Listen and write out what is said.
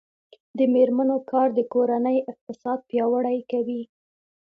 د میرمنو کار د کورنۍ اقتصاد پیاوړی کوي.